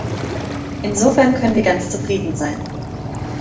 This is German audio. Insofern können wir ganz zufrieden sein.